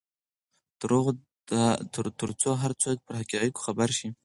ترڅو هر څوک پر حقایقو خبر شي.